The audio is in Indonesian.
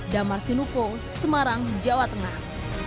damar sinuko semarang jawa tengah